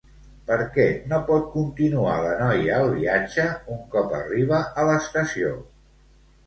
Per què no pot continuar la noia el viatge un cop arriba a l'estació?